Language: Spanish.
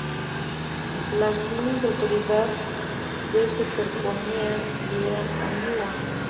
Las líneas de autoridad de superponían y eran ambiguas.